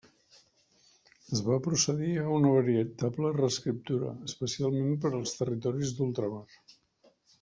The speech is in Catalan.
Es va procedir a una veritable reescriptura, especialment per als territoris d'ultramar.